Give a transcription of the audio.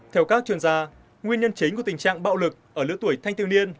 theo các chuyên gia nguyên nhân chính của tình trạng bạo lực ở lứa tuổi thanh thiếu niên